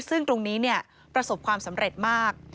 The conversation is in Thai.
ซึ่งตรงนี้ประสบความสำเร็จมาก